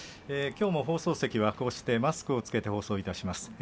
きょうも放送席はこうしてマスクを着けて放送いたします。